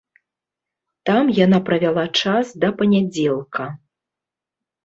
Там яна правяла час да панядзелка.